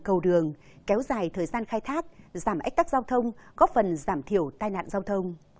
cầu đường kéo dài thời gian khai thác giảm ách tắc giao thông góp phần giảm thiểu tai nạn giao thông